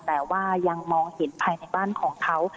แต่ว่ายังมองเห็นภายในบ้านของเขา